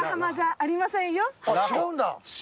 あっ違うんだ。